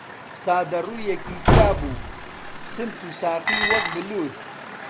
سادە ڕووویەکی تیا بوو، سمت و ساقی وەک بلوور